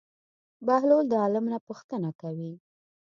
بهلول د عالم نه پوښتنه کوي.